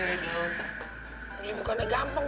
ini bukannya gampang